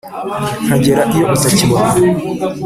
Nkagera iyo utakibona,